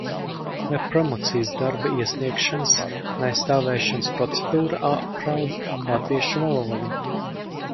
Vai promocijas darba iesniegšanas un aizstāvēšanas procedūra apdraud latviešu valodu?